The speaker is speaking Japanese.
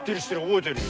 覚えてる。